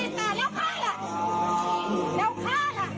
เจ้าแม่เจ้าขา